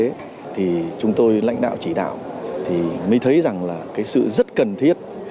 vì vậy thì chúng tôi lãnh đạo chỉ đạo thì mới thấy rằng là cái sự rất cần thiết